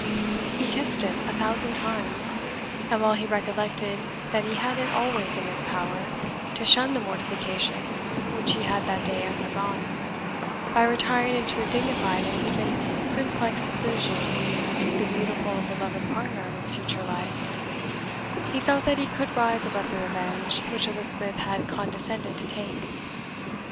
He kissed it a thousand times; and while he recollected that he had it always in his power to shun the mortifications which he had that day undergone, by retiring into a dignified and even prince like seclusion with the beautiful and beloved partner of his future life, he felt that he could rise above the revenge which Elizabeth had condescended to take.